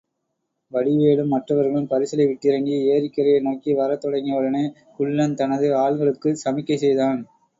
வடிவேலும் மற்றவர்களும் பரிசலை விட்டிறங்கி, எரிக்கரையை நோக்கி வரத் தொடங்கியவுடனே, குள்ளன் தனது ஆள்களுக்குச் சமிக்கை செய்தான்.